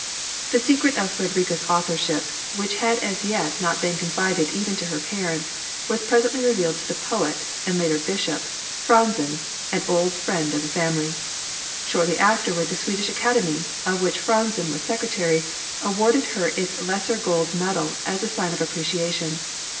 The secret of Fredrika's authorship which had as yet not been confided even to her parents was presently revealed to the poet (and later bishop) Franzén, an old friend of the family. Shortly afterward the Swedish Academy, of which Franzén was secretary, awarded her its lesser gold medal as a sign of appreciation.